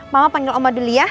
mama panggil oma dulu ya